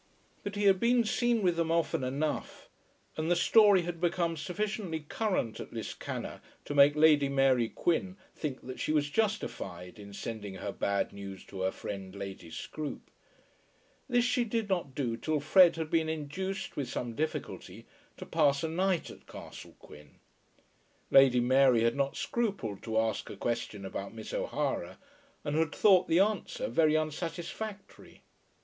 But he had been seen with them often enough, and the story had become sufficiently current at Liscannor to make Lady Mary Quin think that she was justified in sending her bad news to her friend Lady Scroope. This she did not do till Fred had been induced, with some difficulty, to pass a night at Castle Quin. Lady Mary had not scrupled to ask a question about Miss O'Hara, and had thought the answer very unsatisfactory.